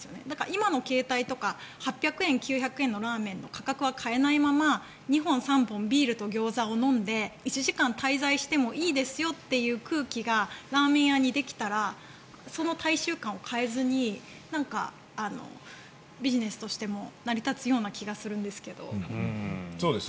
今の形態の８００円とか９００円のラーメンの価格は変えないまま２本、３本ビールとギョーザを飲んで１時間滞在してもいいですよという空気がラーメン屋にできたらその大衆感を変えずにビジネスとしても成り立つような気がするんですけど。